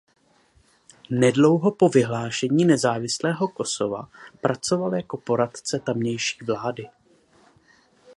Nedlouho po vyhlášení nezávislého Kosova pracoval jako poradce tamější vlády.